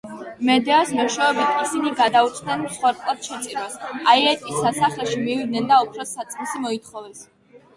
მედეას მეშვეობით ისინი გადაურჩნენ მსხვერპლად შეწირვას, აიეტის სასახლეში მივიდნენ და ოქროს საწმისი მოითხოვეს.